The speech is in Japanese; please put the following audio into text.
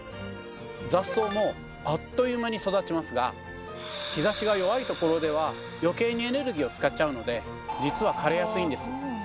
雑草もあっという間に育ちますが日ざしが弱いところでは余計にエネルギーを使っちゃうのでじつは枯れやすいんです。